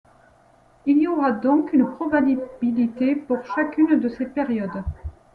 Il y aura donc une probabilité pour chacune de ces périodes.